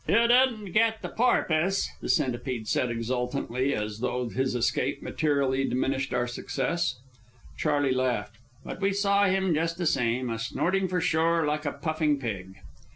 "You didn't get the Porpoise," the Centipede said exultantly, as though his escape materially diminished our success. Charley laughed. "But we saw him just the same, a snorting for shore like a puffing pig."